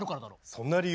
そんな理由？